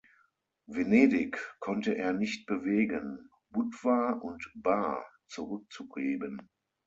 Venedig konnte er nicht bewegen, Budva und Bar zurückzugeben.